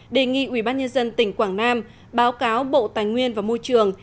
đề nghị ubnd tỉnh quảng nam báo cáo bộ tài nguyên và môi trường